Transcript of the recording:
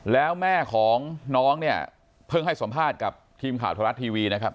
แล้วแม่ของน้องเนี่ยเพิ่งให้สัมภาษณ์กับทีมข่าวธรรมรัฐทีวีนะครับ